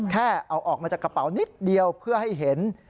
แค่เอาออกมาจากกระเป๋านิดเดียวเพื่อให้เห็น